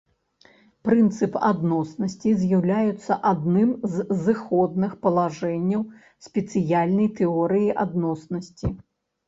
Прынцып адноснасці з'яўляецца адным з зыходных палажэнняў спецыяльнай тэорыі адноснасці.